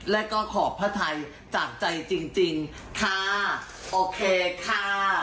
และก็ขอบพระไทยจากใจจริงจริงค่ะโอเคค่ะ